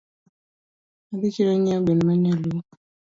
Adhi chiro ng'iewo gweno manyaluo